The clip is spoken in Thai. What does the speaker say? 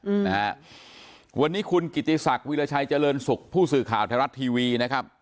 อืมนะฮะวันนี้คุณกิติศักดิ์วิราชัยเจริญสุขผู้สื่อข่าวไทยรัฐทีวีนะครับ